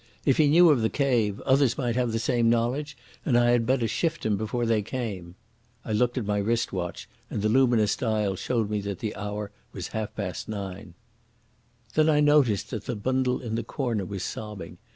If he knew of the cave, others might have the same knowledge, and I had better shift him before they came. I looked at my wrist watch, and the luminous dial showed that the hour was half past nine. Then I noticed that the bundle in the corner was sobbing.